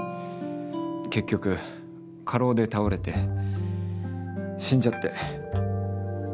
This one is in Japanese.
結局過労で倒れて死んじゃって。